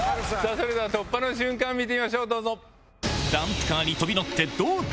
それでは突破の瞬間見てみましょうどうぞ。